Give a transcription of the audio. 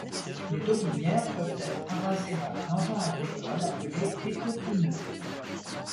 Les taupinières peuvent être arasées par un engin agricole appelé étaupineuse.